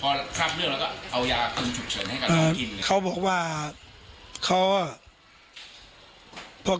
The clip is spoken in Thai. พอทราบเรื่องเราก็เอายาคุมฉุกเฉินให้กับน้องกินเขาบอกว่าเขาอ่ะพวก